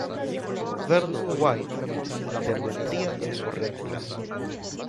Vernon White intervendría en su reemplazo.